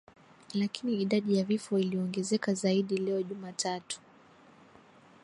Lakini idadi ya vifo iliongezeka zaidi leo Jumatatu.